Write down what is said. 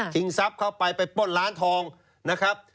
ทรัพย์เข้าไปไปปล้นร้านทองนะครับ